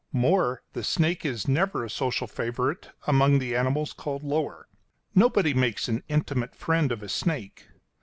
More, the snake is never a social favourite among the animals called lower. Nobody makes an intimate friend of a snake.